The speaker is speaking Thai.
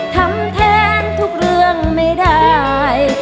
ทำแทนทุกเรื่องไม่ได้